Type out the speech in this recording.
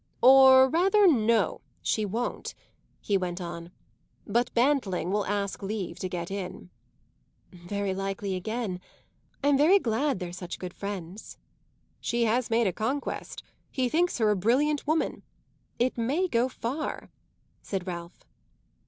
"Or rather, no, she won't," he went on. "But Bantling will ask leave to get in." "Very likely again. I am very glad they are such good friends." "She has made a conquest. He thinks her a brilliant woman. It may go far," said Ralph.